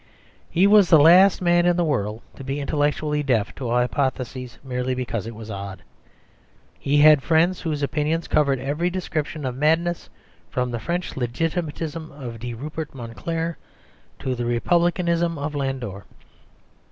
He was the last man in the world to be intellectually deaf to a hypothesis merely because it was odd. He had friends whose opinions covered every description of madness from the French legitimism of De Ripert Monclar to the Republicanism of Landor.